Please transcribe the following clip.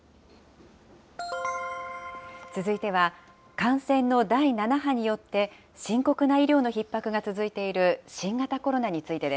続いては、感染の第７波によって、深刻な医療のひっ迫が続いている新型コロ